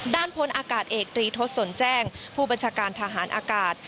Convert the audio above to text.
พลอากาศเอกตรีทศสนแจ้งผู้บัญชาการทหารอากาศ